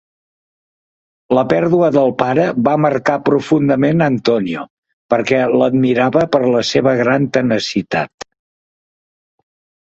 La pèrdua del pare va marcar profundament Antonio, perquè l'admirava per la seva gran tenacitat.